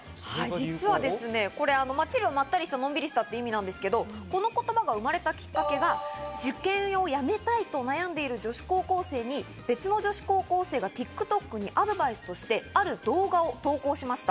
実はこれ、まったりしたのんびりしたという意味なんですが、この言葉が生まれたきっかけが受験をやめたいと悩んでいる女子高校生に、別の女子高校生がＴｉｋＴｏｋにアドバイスとしてある動画を投稿しました。